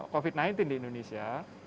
covid sembilan belas di indonesia